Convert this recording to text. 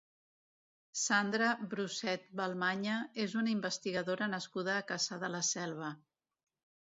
Sandra Brucet Balmaña és una investigadora nascuda a Cassà de la Selva.